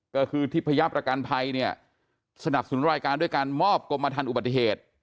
ก็คือทิพยาประกันภัยเนี่ยสนับสนุนรายการด้วยการมอบกรมฐานอุบัติเหตุ